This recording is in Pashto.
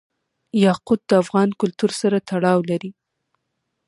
یاقوت د افغان کلتور سره تړاو لري.